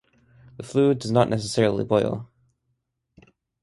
The fluid does not necessarily boil.